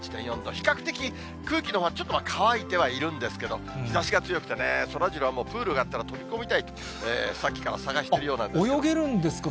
比較的、空気のほうはちょっと乾いてはいるんですけど、日ざしが強くてね、そらジローはもうプールがあったら飛び込みたいと、さっきから探してるようなんですけど。